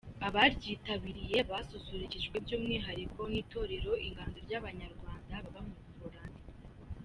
Abaryitabiriye basusurukijwe by’umwihariko n’Itorero Inganzo ry’abanyarwanda baba mu Buholandi.